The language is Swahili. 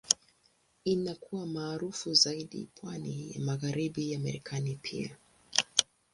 Inakuwa maarufu zaidi pwani ya Magharibi ya Marekani pia.